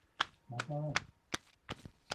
په دې درس کې د پوهاند رښتین مطلب ولولئ.